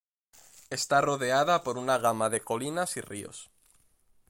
Está rodeada por una gama de colinas y ríos.